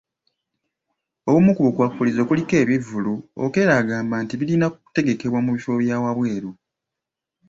Obumu ku bukwakkulizo kuliko ebivvulu, Okello agamba nti birina kutegekebwa mu bifo bya wabweru.